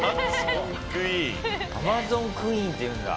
アマゾンクイーンっていうんだ。